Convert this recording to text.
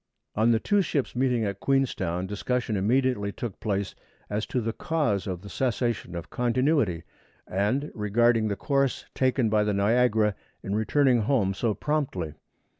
On the two ships meeting at Queenstown, discussion immediately took place (1) as to the cause of the cessation of "continuity"; and (2) regarding the course taken by the Niagara in returning home so promptly.